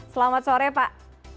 selamat sore pak